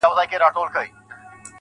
بس ده ه د غزل الف و با مي کړه.